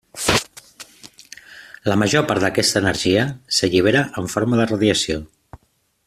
La major part d'aquesta energia s'allibera en forma de radiació.